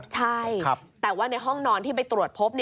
ใช่แต่ว่าในห้องนอนที่ไปตรวจพบ